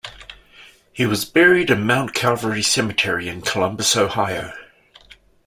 He was buried in Mount Calvary Cemetery in Columbus, Ohio.